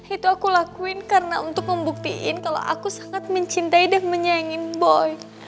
itu aku lakuin karena untuk membuktiin kalau aku sangat mencintai dan menyayangin boy